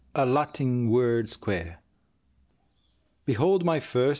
A LATIN WORD SQUARE. Behold my first!